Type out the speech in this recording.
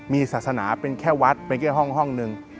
มีศาสนาเป็นแค่วัดเป็นแค่ห้องหนึ่ง